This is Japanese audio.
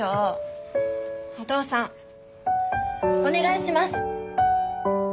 お父さんお願いします。